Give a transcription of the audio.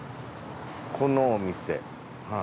このお店。